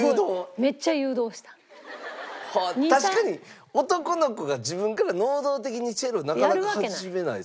確かに男の子が自分から能動的にチェロなかなか始めない。